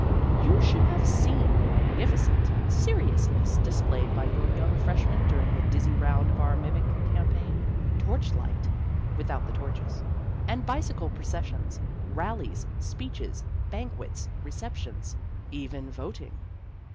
You should have seen the magnificent 246 Vassar Studies seriousness displayed by your young freshman during the dizzy round of our mimic campaign torchlight (without the torches) and bicycle processions, rallies, speeches, banquets, receptions, even vot ing.